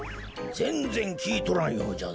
ぜんぜんきいとらんようじゃぞ。